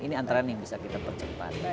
ini antaran yang bisa kita percepat